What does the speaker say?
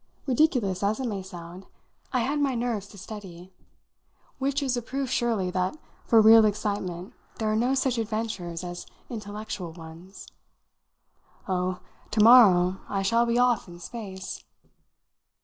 Ridiculous as it may sound, I had my nerves to steady; which is a proof, surely, that for real excitement there are no such adventures as intellectual ones. "Oh, to morrow I shall be off in space!"